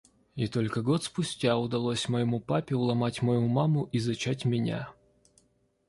И только год спустя удалось моему папе уломать мою маму и зачать меня.